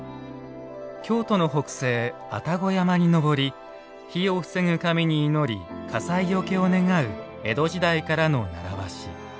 京都の北西愛宕山に登り火を防ぐ神に祈り火災除けを願う江戸時代からの習わし。